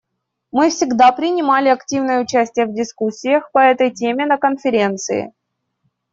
Мы всегда принимали активное участие в дискуссиях по этой теме на Конференции.